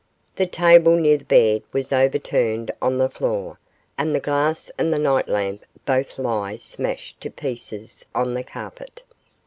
The table near the bed was overturned on the floor, and the glass and the night lamp both lie smashed to pieces on the carpet.